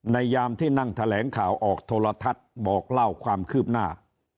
ยามที่นั่งแถลงข่าวออกโทรทัศน์บอกเล่าความคืบหน้า